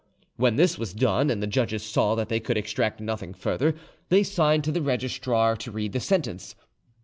When this was done, and the judges saw that they could extract nothing further, they signed to the registrar to read the sentence.